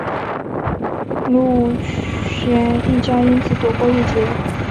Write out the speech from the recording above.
卢武铉一家因此躲过一劫。